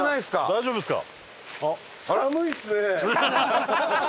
大丈夫ですか？